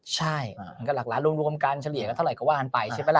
ใช่มันก็หลักล้านรวมกันเฉลี่ยกันเท่าไหร่ก็ว่ากันไปใช่ไหมล่ะ